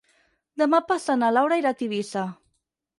Demà passat na Laura irà a Tivissa.